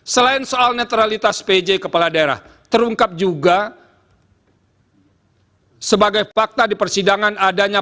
selain soal netralitas pj kepala daerah terungkap juga sebagai fakta di persidangan adanya